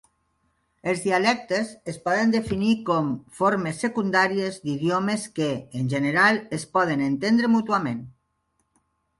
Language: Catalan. Els dialectes es poden definir com "formes secundàries d'idiomes que, en general, es poden entendre mútuament".